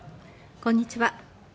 こんにちは。